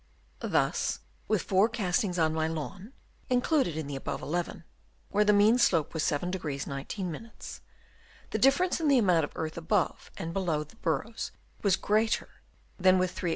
Thus with four castings on my lawn (included in the above eleven) where the mean slope was 7° 19', the difference in the amount of earth above and below the burrows was greater than with three other Chap.